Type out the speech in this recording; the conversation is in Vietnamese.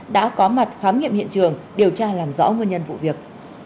đã có mặt khám nghiệm hiện trường điều tra làm rõ nguyên nhân vụ việc